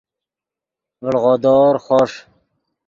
ڤڑغودور خوݰ